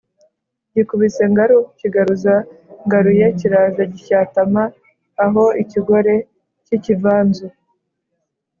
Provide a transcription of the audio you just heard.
Gikubise ngaru kigaruza Ngaruye kiraza gishyatama aho-Ikigore cy'ikivanzu.